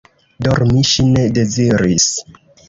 Dormi ŝi ne deziris.